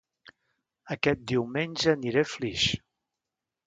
Aquest diumenge aniré a Flix